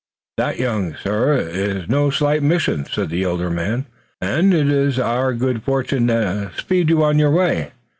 "That, young sir, is no slight mission," said the elder man, "and it is our good fortune to speed you on your way.